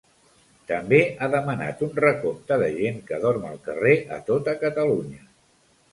També ha demanat un recompte de gent que dorm al carrer a tota Catalunya.